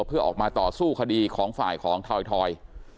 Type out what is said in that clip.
เพื่อออกมาต่อสู้คดีของฝ่ายของถอย